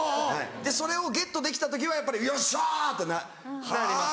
それをゲットできた時はやっぱり「よっしゃ！」ってなりますね。